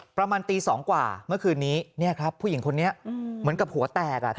ประมาณตี๒กว่าเมื่อคืนนี้ครับผู้หญิงคนนี้เหมือนกับหัวแตก